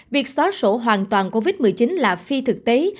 việc xóa sổ hoàn toàn covid một mươi chín là phi thực tế